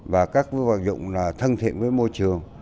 và các vật dụng là thân thiện với môi trường